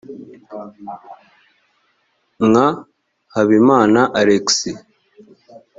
nka habimana alexis.